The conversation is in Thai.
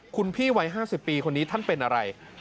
คุณพี่วัย๕๐ปีคนนี้ท่านเป็นอะไร